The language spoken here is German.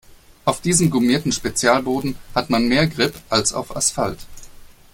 Auf diesem gummierten Spezialboden hat man mehr Grip als auf Asphalt.